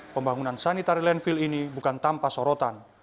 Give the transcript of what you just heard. pembangunan sanitary landfill ini bukan tanpa sorotan